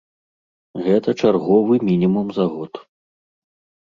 Гэта чарговы мінімум за год.